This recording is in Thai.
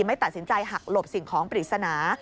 ไม่ตัดสินใจหักหลบสิ่งของปริศนา